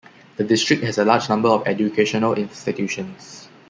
The district has a large number of educational institutions.